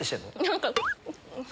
何か。